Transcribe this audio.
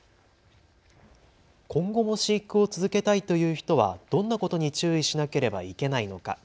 今後も飼育を続けたいという人はどんなことに注意しなければいけないのか。